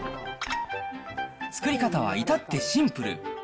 作り方はいたってシンプル。